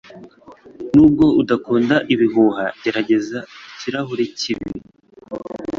Nubwo udakunda ibihuha, gerageza ikirahuri cyibi.